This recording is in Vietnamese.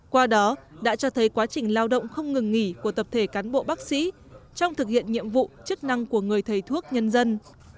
qua đó đã cho thấy quá trình lao động không ngừng nghỉ của tập thể cán bộ bác sĩ trong thực hiện nhiệm vụ chức năng của người thầy thuốc nhân dân